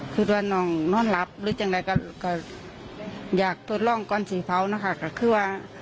คือทั้งน้องห้องห้องร่างใดอยากทดลองก่อนเสียผ้านะคะ